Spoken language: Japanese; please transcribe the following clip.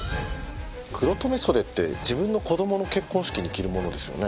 黒留め袖って自分の子供の結婚式に着るものですよね？